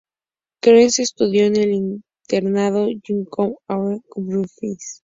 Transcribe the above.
Hopkins estudió en el internado Wycombe Abbey en Buckinghamshire.